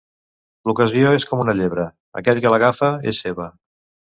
L'ocasió és com una llebre: aquell que l'agafa, és seva.